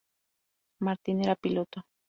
Martin era piloto.